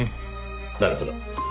なるほど。